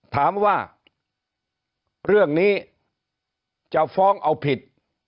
ถามว่าเรื่องนี้จะฟ้องเอาผิด